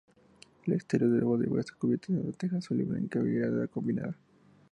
Al exterior la bóveda esta cubierta con teja azul y blanca vidriada combinada.